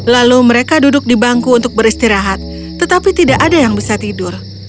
lalu mereka duduk di bangku untuk beristirahat tetapi tidak ada yang bisa tidur